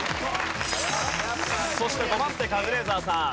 そして５番手カズレーザーさん。